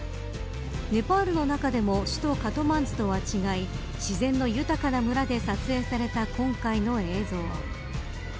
ネパールの中でも首都カトマンズとは違い自然の豊かな村で撮影された今回の映像。